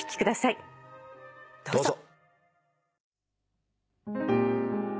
どうぞ。